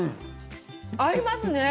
合いますね！